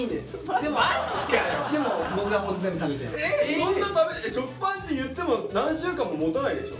そんな食べ食パンっていっても何週間ももたないでしょ？